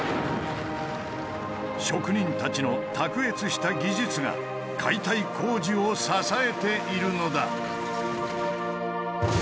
職人たちの卓越した技術が解体工事を支えているのだ。